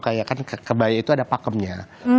kayak kan kebaya itu ada pakemnya